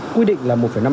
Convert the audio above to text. quy định là một thị trường